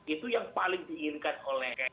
itu yang paling diinginkan oleh